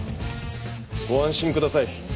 ご安心ください。